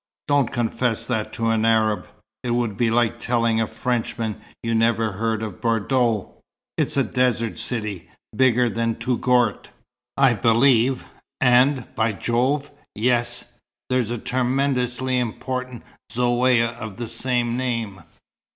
"Don't confess that to an Arab. It would be like telling a Frenchman you'd never heard of Bordeaux. It's a desert city, bigger than Touggourt, I believe, and by Jove, yes, there's a tremendously important Zaouïa of the same name.